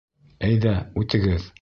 Әйҙә, үтегеҙ.